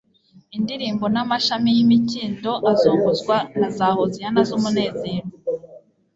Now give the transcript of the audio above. Indirimbo n'amashami y'imikindo azunguzwa na za Hoziyana z'umunezero,